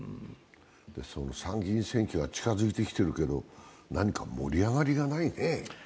その参議院選挙が近づいててきいるけど、何か盛り上がりがないね。